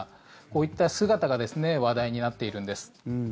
こういった姿が話題になっているんです。